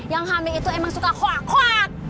yang hamil itu emang suka hoak hoak